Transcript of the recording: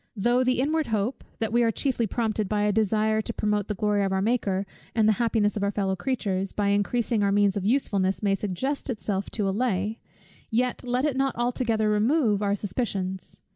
Though the inward hope, that we are chiefly prompted by a desire to promote the glory of our Maker, and the happiness of our fellow creatures, by increasing our means of usefulness, may suggest itself to allay, yet let it not altogether remove, our suspicions.